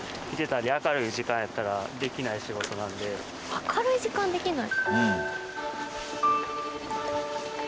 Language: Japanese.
明るい時間できない？